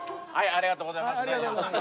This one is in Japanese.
ありがとうございます。